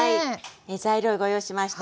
材料ご用意しました。